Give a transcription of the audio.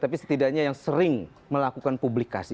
tapi setidaknya yang sering melakukan publikasi